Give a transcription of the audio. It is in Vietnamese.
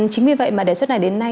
chính vì vậy mà đề xuất này đến nay